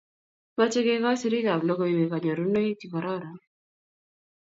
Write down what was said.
mache kegoch sirik ab logoiywek kanyorunoik che karoron